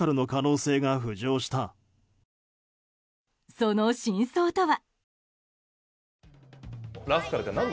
その真相とは。